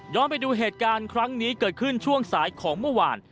ไปดูเหตุการณ์ครั้งนี้เกิดขึ้นช่วงสายของเมื่อวาน